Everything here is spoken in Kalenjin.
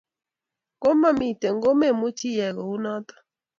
Komomite komemuchi iyai kounoto